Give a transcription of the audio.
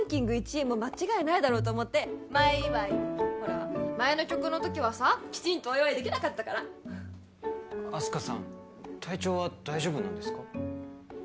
１位も間違いないだろうと思って前祝いほら前の曲の時はさきちんとお祝いできなかったからあす花さん体調は大丈夫なんですか？